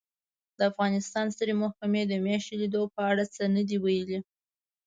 د افغانستان سترې محکمې د میاشتې لیدو په اړه څه نه دي ویلي